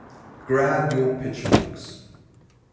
Grab your pitchforks!